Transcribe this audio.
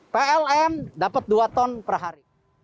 plm dapat dua ton per hari